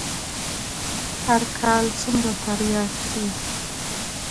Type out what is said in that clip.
هر کال څومره ترياک کيي.